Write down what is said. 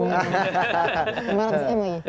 barang barang saya mau ya